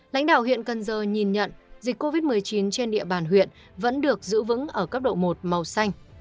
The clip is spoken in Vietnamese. lãnh đạo huyện cần giờ nhìn nhận dịch covid một mươi chín trên địa bàn huyện vẫn được giữ vững ở cấp độ một màu xanh